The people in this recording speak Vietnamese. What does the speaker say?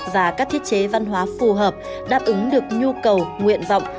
và các thiết chế văn hóa phù hợp đáp ứng được nhu cầu nguyện vọng